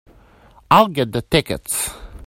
I'll get the tickets.